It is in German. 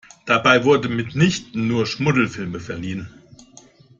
Dabei wurden mitnichten nur Schmuddelfilme verliehen.